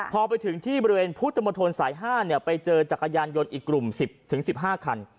พอไปถึงที่บริเวณพุทธมนตรสาย๕ไปเจอจักรยานยนต์อีกกลุ่ม๑๐๑๕คัน